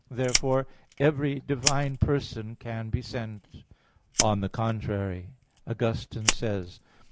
Therefore every divine person can be sent. On the contrary, Augustine says (De Trin.